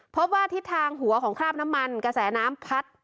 พบว่าทิศทางหัวของคราบน้ำมันกระแสน้ำพัด